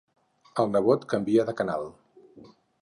El nebot canvia de canal.